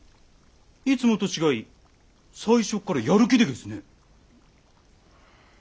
いつもと違い最初からやる気でげすね。